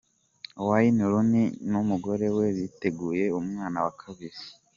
Wayne Rooney n'umugore we biteguye umwana wa kabiri.